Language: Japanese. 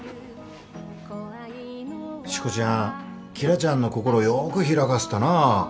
しこちゃん紀來ちゃんの心をよく開かせたな。